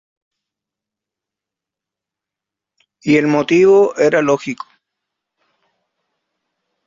Y el motivo era lógico.